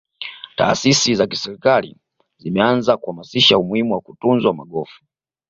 taasisi za kiserikali zimeanza kuhamasisha umuhimu wa kutunzwa magofu